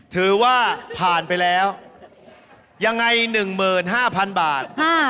ถือว่าผ่านไปแล้วยังไง๑๕๐๐๐บาท